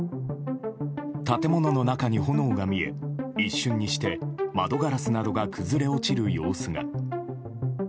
建物の中に炎が見え、一瞬にして窓ガラスなどが崩れ落ちる様子が。